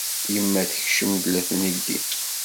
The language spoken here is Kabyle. Yemma tekcem-d la tneggi.